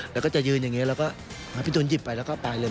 แล้วก็จะยืนอย่างนี้แล้วก็หาพี่ตูนหยิบไปแล้วก็ไปเลย